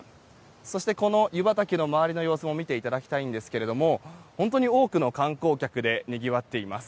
そしてこの湯畑の周りの様子も見ていただきたいんですが本当に多くの観光客でにぎわっています。